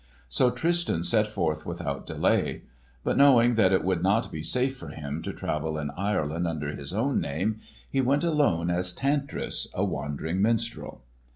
So Tristan set forth without delay; but knowing that it would not be safe for him to travel in Ireland under his own name, he went alone as Tantris a wandering minstrel.